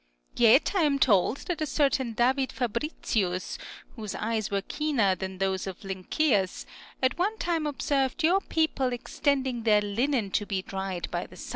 Yet I am told that a certain David Fabricius, whose eyes were keener than those of Lynceus, at one time observed your people extending their linen to be dried by the sun.